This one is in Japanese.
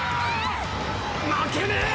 負けねぇ！！